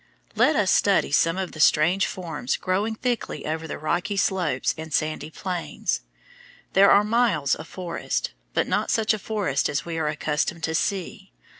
Let us study some of the strange forms growing thickly over the rocky slopes and sandy plains. There are miles of forest, but not such a forest as we are accustomed to see.